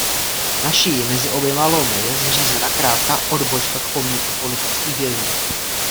Na šíji mezi oběma lomy je zřízena krátká odbočka k pomníku politických vězňů.